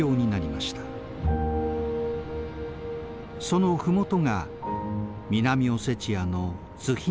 そのふもとが南オセチアのツヒンバリ。